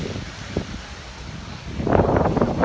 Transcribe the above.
สวัสดีครับคุณผู้ชาย